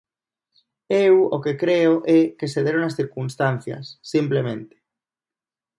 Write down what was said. Eu o que creo é que se deron as circunstancias, simplemente.